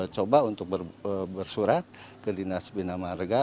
coba untuk bersurat ke dinas binamarga